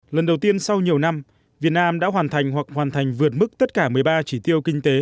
lần đầu tiên sau nhiều năm việt nam đã hoàn thành hoặc hoàn thành vượt mức tất cả một mươi ba chỉ tiêu kinh tế